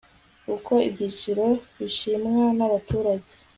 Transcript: uko ibyiciro bishimwa n'abaturage